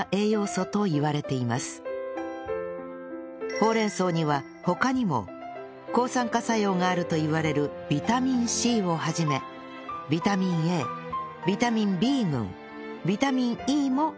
ほうれん草には他にも抗酸化作用があるといわれるビタミン Ｃ を始めビタミン Ａ ビタミン Ｂ 群ビタミン Ｅ も含まれています